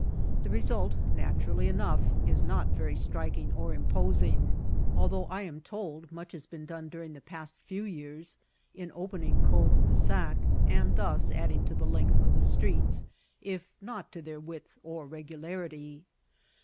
The result, naturally enough, is not very striking or imposing, although I am told much has been done during the past few years, in opening culs de sac, and thus adding to the length of the streets, if not to their width or regularity.